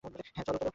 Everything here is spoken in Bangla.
হ্যাঁঁ, চলো।